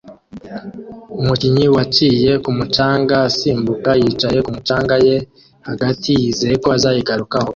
Umukinnyi wa yicaye kumu canga asimbuka yicaye kumu canga ye hagati yizeye ko azayigarukaho